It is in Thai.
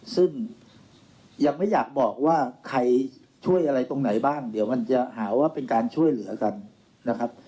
ซึ่งยังไม่อยากบอกว่าใครช่วยอะไรตรงไหนบ้างเดี๋ยวมันจะหาว่าเป็นการช่วยเหลือกันนะครับ